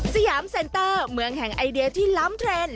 สยามเซ็นเตอร์เมืองแห่งไอเดียที่ล้ำเทรนด์